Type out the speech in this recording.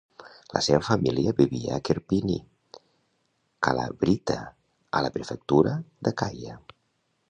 La seva família vivia a Kerpini, Kalavryta a la prefectura d'Acaia.